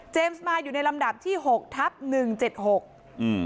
สมาอยู่ในลำดับที่หกทับหนึ่งเจ็ดหกอืม